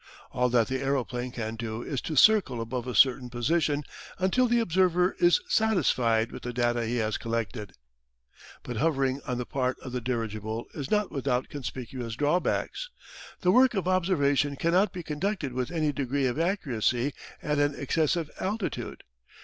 All that the aeroplane can do is to circle above a certain position until the observer is satisfied with the data he has collected. But hovering on the part of the dirigible is not without conspicuous drawbacks. The work of observation cannot be conducted with any degree of accuracy at an excessive altitude.